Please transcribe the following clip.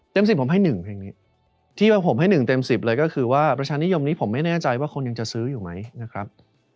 เต็มสิบผมให้๑เต็มสิบเลยก็คือว่าประชานิยมนี้ผมไม่แน่ใจว่าคนยังจะซื้ออยู่ไหมนะครับ